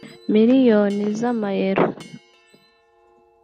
Miliyoni z’Amayero (€